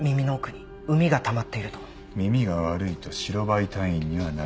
耳が悪いと白バイ隊員にはなれない。